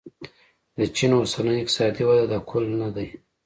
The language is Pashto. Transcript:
د چین اوسنۍ اقتصادي وده د کل نه دی.